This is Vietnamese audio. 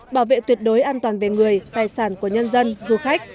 bảo vệ tuyệt đối an toàn về người tài sản của nhân dân du khách